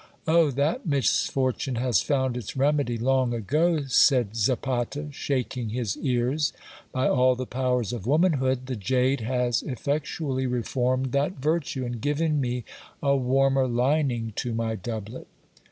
Oh ! that misfortune has found its remedy long ago, said Zapata, shaking his ears. By all the powers of womanhood, the jade has effectually reformed that virtue, and given me a warmer lining to my doublet.